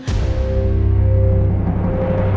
tidak akan ada